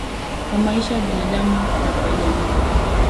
kwa maisha ya binadamu na kwa jamii